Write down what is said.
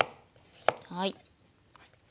はい。